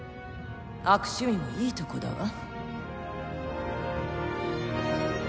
悪趣味もいいとこだわ